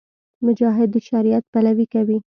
مجاهد د شریعت پلوۍ کوي.